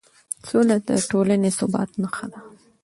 سوله د ټولنې د ثبات نښه ده